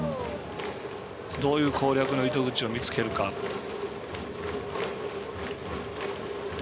どういう攻略の糸口を見つけるか。